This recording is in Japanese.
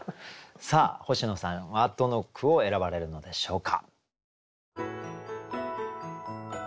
さあ星野さんはどの句を選ばれるのでしょうか。